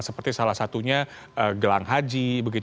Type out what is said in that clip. seperti salah satunya gelang haji